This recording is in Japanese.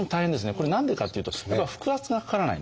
これ何でかっていうとやっぱ腹圧がかからないんですね。